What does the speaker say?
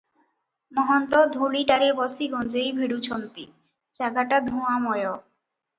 ମହନ୍ତ ଧୂଳିଟାରେ ବସି ଗଞ୍ଜେଇ ଭିଡୁଛନ୍ତି, ଜାଗାଟା ଧୂଆଁମୟ ।